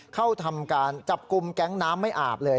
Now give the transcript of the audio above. เข้าทำการจับกลุ่มแก๊งน้ำไม่อาบเลย